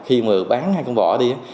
khi mà bán hai con bò đi á